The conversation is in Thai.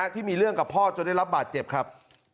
ที่มีเรื่องกับพ่อจนได้รับบาดเจ็บครับ